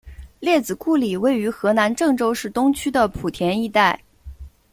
列子故里位于河南郑州市东区的圃田一带。